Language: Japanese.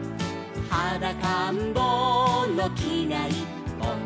「はだかんぼうのきがいっぽん」